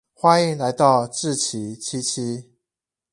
歡迎來到志祺七七